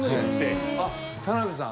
田辺さん